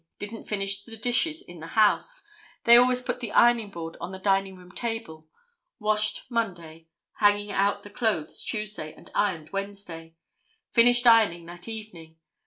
Didn't finish the dishes in the house. They always put the ironing board on the dining room table. Washed Monday, hanging out the clothes Tuesday and ironed Wednesday. Finished ironing that evening.